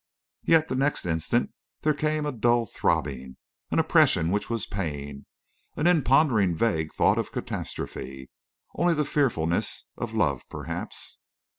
Yet the next instant there came a dull throbbing—an oppression which was pain—an impondering vague thought of catastrophe. Only the fearfulness of love perhaps!